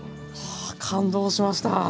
はあ感動しました！